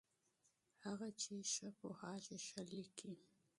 هغه چې ښه پوهېږي، ښه لیکي.